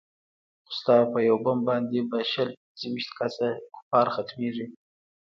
خو ستا په يو بم باندې به شل پينځه ويشت كسه كفار ختميږي.